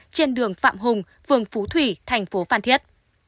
trên đường phạm hùng phường phú thủy thành phố phan thiết